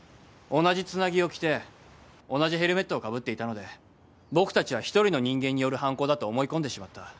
同じツナギを着て同じヘルメットをかぶっていたので僕たちは１人の人間による犯行だと思い込んでしまった。